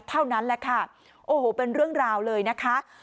เท่านั้นแหละค่ะโอ้โหเป็นเรื่องราวเลยนะคะ